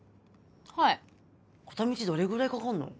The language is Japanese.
はい片道どれぐらいかかんの？